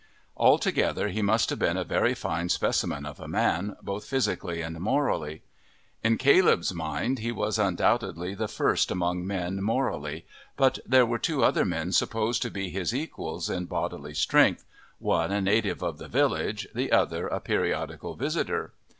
Altogether he must have been a very fine specimen of a man, both physically and morally. In Caleb's mind he was undoubtedly the first among men morally, but there were two other men supposed to be his equals in bodily strength, one a native of the village, the other a periodical visitor.